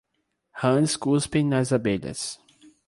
Rãs cuspem nas abelhas.